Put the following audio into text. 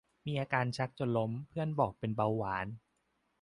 มีอาการชักจนล้มเพื่อนบอกเป็นเบาหวาน